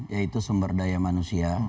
yaitu sumber daya manusia